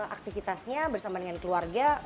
aktivitasnya bersama dengan keluarga